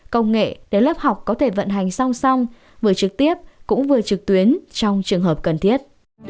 công nghệ để lớp học có thể vận hành song song vừa trực tiếp cũng vừa trực tuyến trong trường hợp cần thiết